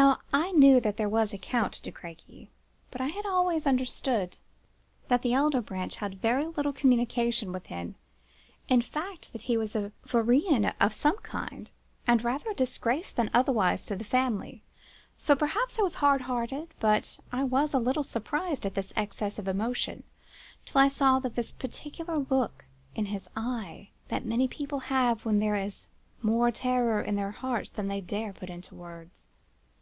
Now, I knew that there was a Count de Crequy; but I had always understood that the elder branch held very little communication with him; in fact, that he was a vaurien of some kind, and rather a disgrace than otherwise to the family. So, perhaps, I was hard hearted but I was a little surprised at this excess of emotion, till I saw that peculiar look in his eyes that many people have when there is more terror in their hearts than they dare put into words.